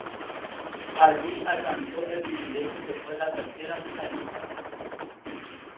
Allí alcanzó el privilegio de ser la tercera finalista.